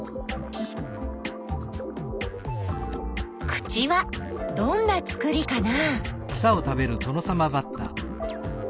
口はどんなつくりかな？